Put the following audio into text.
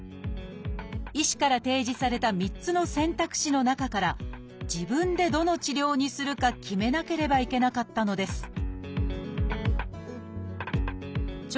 医師から提示された３つの選択肢の中から自分でどの治療にするか決めなければいけなかったのです聴